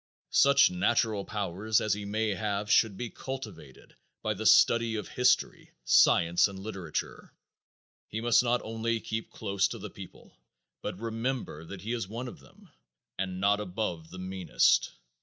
Such natural powers as he may have should be cultivated by the study of history, science and literature. He must not only keep close to the people but remember that he is one of them, and not above the meanest.